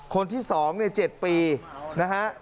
คนที่๒ใน๗ปีนะฮะ